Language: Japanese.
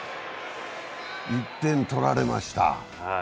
１点取られました。